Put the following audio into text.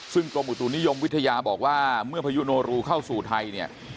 ซึ่งกรมอุตุนิยมวิทยาบอกว่าเมื่อพายุโนรูเข้าสู่ไทยเนี่ย